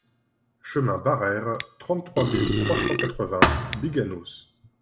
Chemin Barreyres, trente-trois mille trois cent quatre-vingts Biganos